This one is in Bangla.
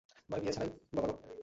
মানে বিয়ে ছাড়াই গপাগপ?